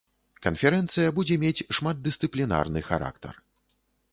Канферэнцыя будзе мець шматдысцыплінарны характар.